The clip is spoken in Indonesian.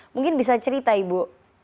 mungkin bisa cerita ibu